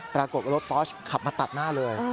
ปรากฏว่ารถปอชขับมาตัดหน้าเลย